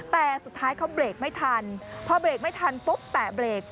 แต่สุดท้ายเขาเบรกไม่ทันพอเบรกไม่ทันปุ๊บแตะเบรก